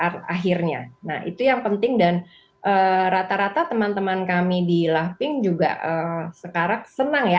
nah akhirnya nah itu yang penting dan rata rata teman teman kami di laping juga sekarang senang ya